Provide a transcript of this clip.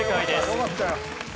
よかったよ。